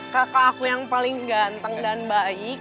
kakak aku yang paling ganteng dan baik